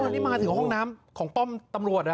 นี่มาถึงห้องน้ำของป้อมตำรวจ